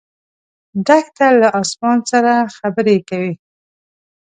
دښته له اسمان سره خبرې کوي.